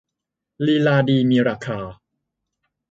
ลีลาดีมีราคา